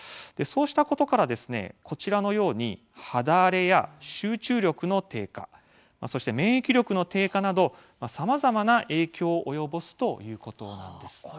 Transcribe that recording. そうしたことからこちらのように肌荒れや集中力の低下そして免疫力の低下などさまざまな影響を及ぼすということなんです。